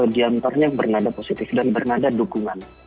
dua diantaranya bernada positif dan bernada dukungan